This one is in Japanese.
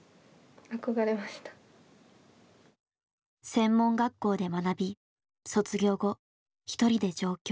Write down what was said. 専門学校で学び卒業後一人で上京。